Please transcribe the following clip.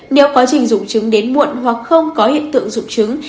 nếu quá trình dụng trứng đến muộn hoặc không có hiện tượng dụng trứng